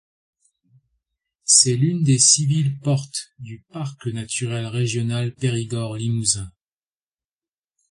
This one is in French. C'est l'une des six villes-portes du parc naturel régional Périgord-Limousin.